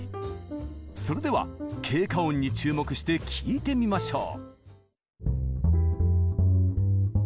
それでは「経過音」に注目して聴いてみましょう。